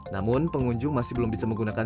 namun pengunjung masih belum bisa menggunakan